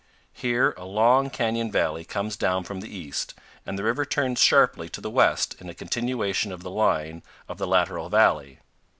Here a long canyon valley comes down from the east, and the river turns sharply to the west in a continuation of the line of the lateral valley.